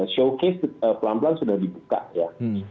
showcase pelan pelan sudah dibuka ya